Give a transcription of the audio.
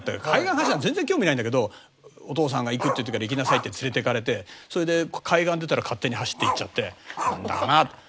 海岸走るなんて全然興味ないんだけど「お父さんが行くって言ってるから行きなさい」って連れていかれてそれで海岸出たら勝手に走っていっちゃって「なんだかな」。